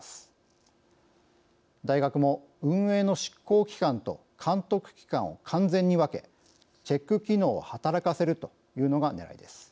大学も運営の執行機関と監督機関を完全に分けチェック機能を働かせるというのがねらいです。